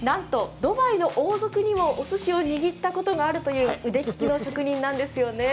ドバイの大使にもおすしを握ったことがあるという腕利きの職人なんですよね。